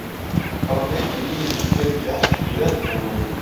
پڕمەی گرینی گەنجی عەشیرەت بوو.